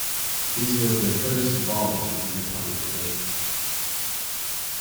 His was the first volley in the public debate.